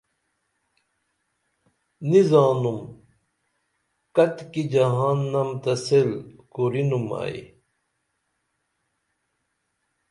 نی زانُم کتِکی جہان نم تہ سیل کُرینُم ائی